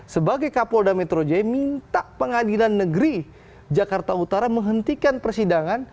sebagai kapolda metro jaya minta pengadilan negeri jakarta utara menghentikan persidangan